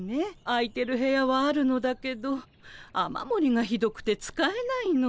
空いてる部屋はあるのだけど雨もりがひどくて使えないの。